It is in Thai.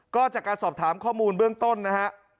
ก็การสอบถามข้อมูลเบื้องต้นนะครับ